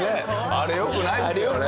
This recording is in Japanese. あれよくないですよね。